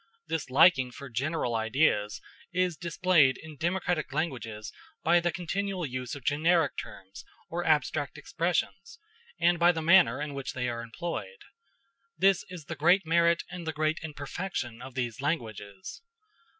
This liking for general ideas is displayed in democratic languages by the continual use of generic terms or abstract expressions, and by the manner in which they are employed. This is the great merit and the great imperfection of these languages.